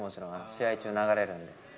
試合中流れるんで。